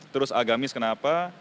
terus agamis kenapa